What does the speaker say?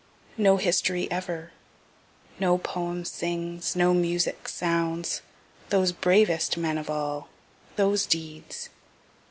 No history ever no poem sings, no music sounds, those bravest men of all those deeds.